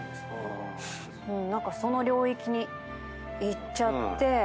何かその領域に行っちゃって。